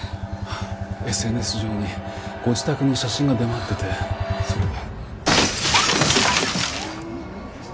ＳＮＳ上にご自宅の写真が出回っててそれで。